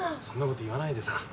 そんなこと言わないでさ。